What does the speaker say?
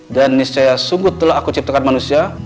dan niscaya sungguh telah aku ciptakan manusia